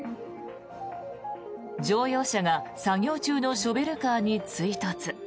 乗用車が作業中のショベルカーに追突。